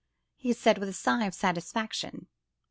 he said, with a sigh of satisfaction.